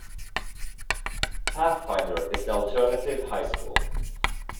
Pathfinder is the alternative high school.